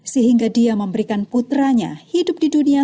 sehingga dia memberikan putranya hidup di dunia